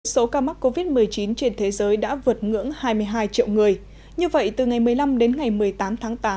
số ca mắc covid một mươi chín trên thế giới đã vượt ngưỡng hai mươi hai triệu người như vậy từ ngày một mươi năm đến ngày một mươi tám tháng tám